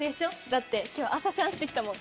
だって今日朝シャンしてきたもん。